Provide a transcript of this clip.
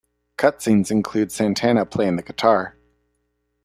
Cut scenes include Santana playing the guitar.